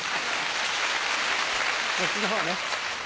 こっちのほうね。